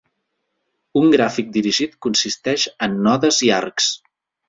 Un gràfic dirigit consisteix en nodes i arcs.